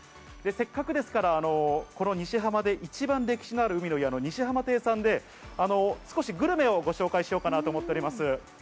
せっかくですから、この西浜で一番歴史がある海の家・西浜亭さんで、少しグルメをご紹介しようかなと思っております。